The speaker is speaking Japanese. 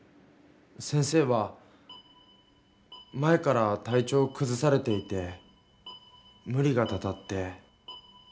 先生は前から体調をくずされていてむ理がたたって。